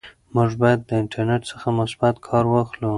موږ باید له انټرنیټ څخه مثبت کار واخلو.